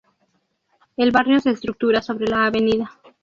El barrio se estructura sobre la Av.